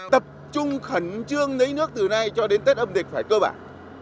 tập trung khẩn trương lấy nước từ nay cho đến tết âm lịch phải cơ bản